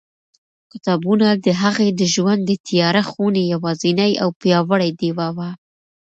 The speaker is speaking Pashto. کتابونه د هغې د ژوند د تیاره خونې یوازینۍ او پیاوړې ډېوه وه.